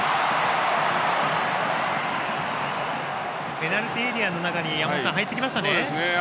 ペナルティーエリアの中に入ってきましたね。